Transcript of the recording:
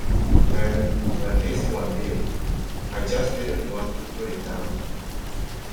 Then when this one did, I just didn't want to put it down.